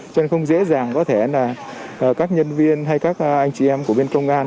cho nên không dễ dàng có thể là các nhân viên hay các anh chị em của bên công an